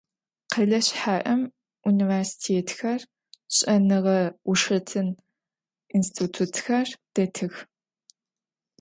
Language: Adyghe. Къэлэ шъхьаӏэм университетхэр, шӏэныгъэ-ушэтын институтхэр дэтых.